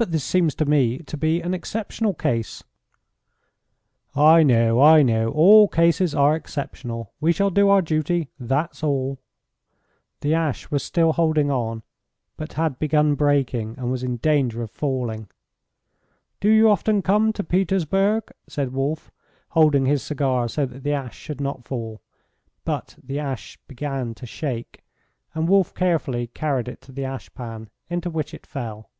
"But this seems to me to be an exceptional case." "I know, I know! All cases are exceptional. We shall do our duty. That's all." The ash was still holding on, but had began breaking, and was in danger of falling. "Do you often come to Petersburg?" said Wolf, holding his cigar so that the ash should not fall. But the ash began to shake, and Wolf carefully carried it to the ashpan, into which it fell.